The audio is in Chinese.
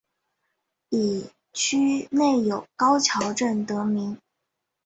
以区内有高桥镇得名。